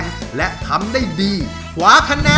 น้องไมโครโฟนจากทีมมังกรจิ๋วเจ้าพญา